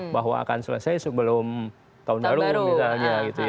bahwa akan selesai sebelum tahun baru misalnya